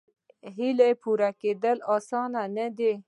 هیلې پوره کېدل اسانه نه دي.